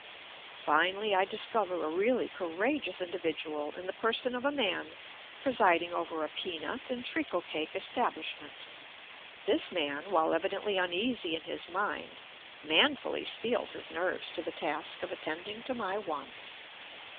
Finally I discover a really courageous individual, in the person of a man presiding over a peanut and treacle cake establishment; this man, while evidently uneasy in his mind, manfully steels his nerves to the task of attending to my wants.